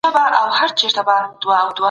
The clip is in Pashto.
د اوبو چښل بدن تازه کوي.